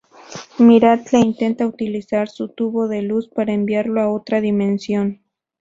Miracle intenta utilizar su tubo de luz para enviarlo a otra dimensión.